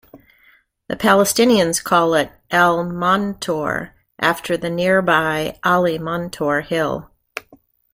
The Palestinians call it "Al-Montar", after the nearby Ali Montar hill.